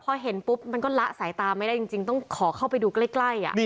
พอเห็นปุ๊บมันก็ละสายตาไม่ได้จริงต้องขอเข้าไปดูใกล้